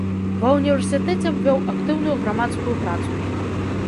Ва ўніверсітэце вёў актыўную грамадскую працу.